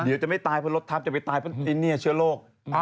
หรือจะไม่ตายเพราะรถทัพจะไปตายเพราะเชื้อโรค